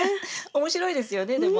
面白いですよねでも。